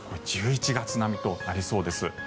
１１月並みとなりそうです。